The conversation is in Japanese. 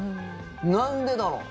なんでだろ？